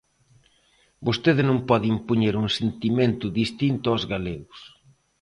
Vostede non pode impoñer un sentimento distinto aos galegos.